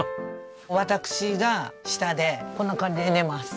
私が下でこんな感じで寝ます。